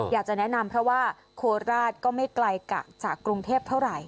อยากจะแนะนำเพราะว่าโคราชก็ไม่ไกลจากกรุงเทพเท่าไหร่